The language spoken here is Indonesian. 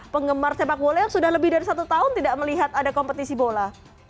penggemar sepak bola yang sudah lebih dari satu tahun tidak melihat ada kompetisi bola